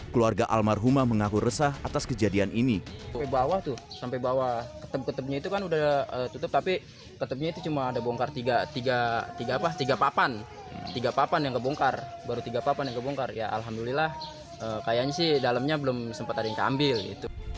keluarga almarhumah mengaku resah atas kejadian ini